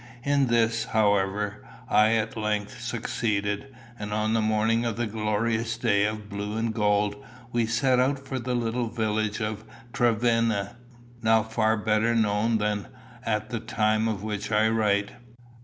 In this, however, I at length succeeded, and on the morning of a glorious day of blue and gold, we set out for the little village of Trevenna, now far better known than at the time of which I write.